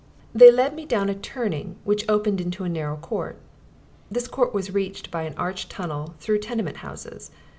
They led me down a turning which opened into a narrow court. This court was reached by an arched tunnel through tenement houses.